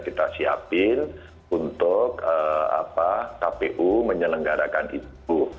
kita siapin untuk kpu menyelenggarakan itu